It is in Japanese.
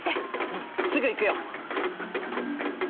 うんすぐ行くよ！